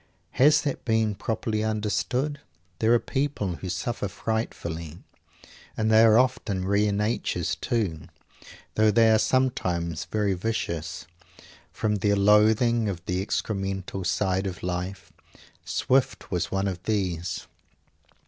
Has that been properly understood? There are people who suffer frightfully and they are often rare natures, too, though they are sometimes very vicious from their loathing of the excremental side of life. Swift was one of these.